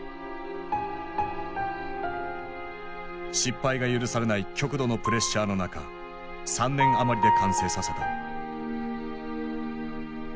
失敗が許されない極度のプレッシャーの中３年余りで完成させた。